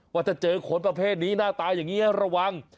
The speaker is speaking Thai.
ว่าถ้าเจอคนประเภทนี้หน้าตาอย่างนี้ระวัง